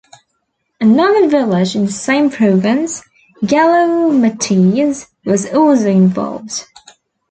Another village in the same province, Gallo Matese, was also involved.